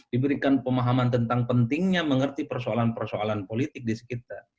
diberikan pemahaman tentang pentingnya mengerti persoalan persoalan politik di sekitar